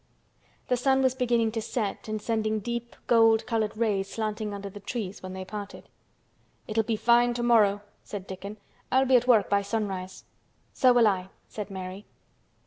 The sun was beginning to set and sending deep gold colored rays slanting under the trees when they parted. "It'll be fine tomorrow," said Dickon. "I'll be at work by sunrise." "So will I," said Mary.